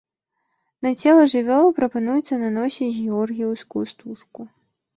На цела жывёл прапануецца наносіць георгіеўскую стужку.